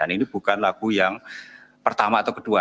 ini bukan lagu yang pertama atau kedua